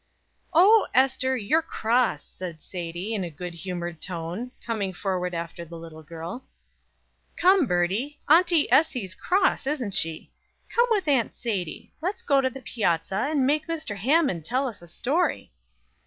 "O, Ester, you're cross!" said Sadie, in a good humored tone, coming forward after the little girl. "Come, Birdie, Auntie Essie's cross, isn't she? Come with Aunt Sadie. We'll go to the piazza and make Mr. Hammond tell us a story."